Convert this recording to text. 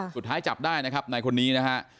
สุดท้ายจับได้นะครับนายคนนี้นะฮะ